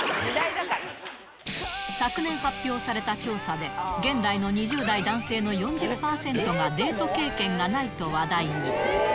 昨年発表された調査で、現代の２０代男性の４０％がデート経験がないと話題に。